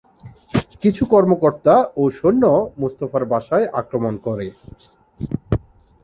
কিছু কর্মকর্তা ও সৈন্য মোস্তফার বাসায় আক্রমণ করে।